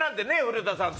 古田さん